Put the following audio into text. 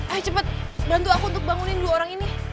ayo cepat bantu aku untuk bangunin dua orang ini